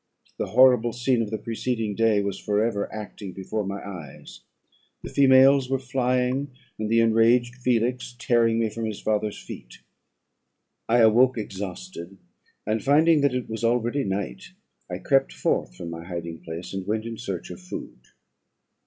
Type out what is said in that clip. The horrible scene of the preceding day was for ever acting before my eyes; the females were flying, and the enraged Felix tearing me from his father's feet. I awoke exhausted; and, finding that it was already night, I crept forth from my hiding place, and went in search of food.